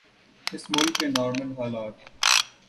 اس ملک کے نارمل حالات۔